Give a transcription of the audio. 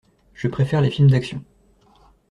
Je préfère les films d'action.